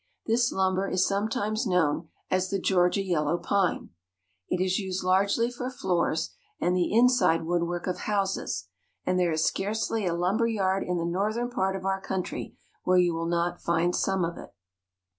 This lumber is sometimes known as the Georgia yellow pine. It is used largely for floors and the inside woodwork of houses, and there is scarcely a lumber yard in the north ern part of our country where you will not find some of it.